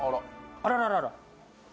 あららら。